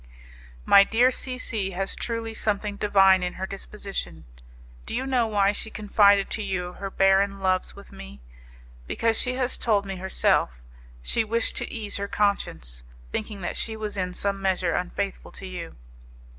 My dear C C has truly something divine in her disposition. Do you know why she confided to you her barren loves with me? Because, as she told me herself, she wished to ease her conscience, thinking that she was in some measure unfaithful to you."